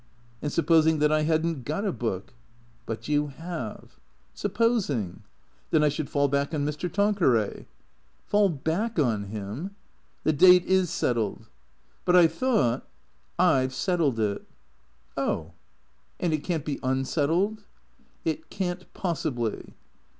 " And supposing that I had n't got a book ?"" But you have." " Supposing ?"" Then I should fall back on Mr. Tanquerav." "Fall back on him !— The date is settled." "But I thought "" 1 Ve settled it." " Oh. And it can't be unsettled ?"" It can't — possibly."